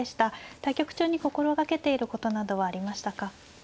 対局中に心掛けていることなどはありましたか。